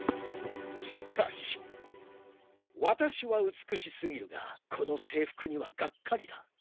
しかしワタシは美しすぎるがこの制服にはがっかりだ。